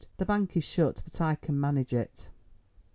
The bank is shut, but I can manage it."